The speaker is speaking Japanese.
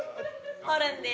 ホルンです。